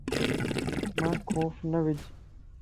مانک خوف نه وج